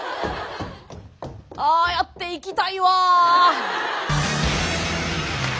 ああやって生きたいわ。